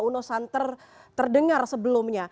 uno santer terdengar sebelumnya